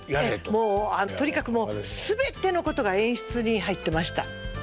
もうとにかく全てのことが演出に入ってました。